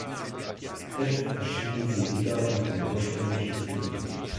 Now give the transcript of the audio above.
Heft erschien sie wieder unter dem ursprünglichen Titel.